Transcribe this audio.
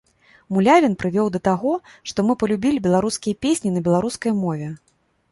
Мулявін прывёў да таго, што мы палюбілі беларускія песні на беларускай мове.